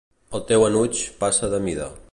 El teu enuig passa de mida.